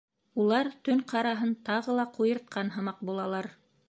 Улар төн ҡараһын тағы ла ҡуйыртҡан һымаҡ булалар.